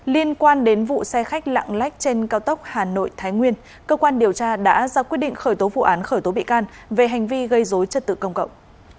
liên quan đến vụ xe khách lạng lách trên cao tốc hà nội thái nguyên cơ quan điều tra đã ra quyết định khởi tố vụ án khởi tố bị can về hành vi gây dối trật tự công cộng